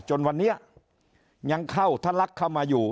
จนวันนี้ยังเข้าทะลักเข้ามาอยู่